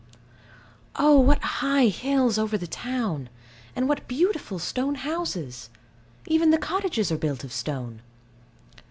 Oh, what high hills over the town! And what beautiful stone houses! Even the cottages are built of stone.